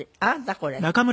これ。